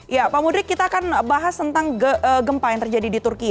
ya pak mudrik kita akan bahas tentang gempa yang terjadi di turki